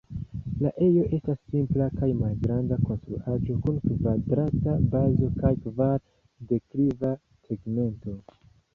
La ejo estas simpla kaj malgranda konstruaĵo kun kvadrata bazo kaj kvar-dekliva tegmento.